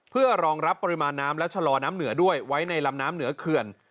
เพื่อรองรับปริมาณน้ำและชะลอน้ำเหนือด้วยไว้ในลำน้ำเหนือเขื่อน